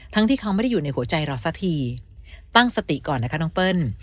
ที่เขาไม่ได้อยู่ในหัวใจเราสักทีตั้งสติก่อนนะคะน้องเปิ้ล